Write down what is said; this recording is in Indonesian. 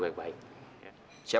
terima kasih om